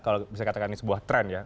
kalau bisa dikatakan ini sebuah trend ya